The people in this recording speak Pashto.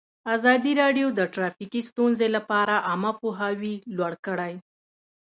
ازادي راډیو د ټرافیکي ستونزې لپاره عامه پوهاوي لوړ کړی.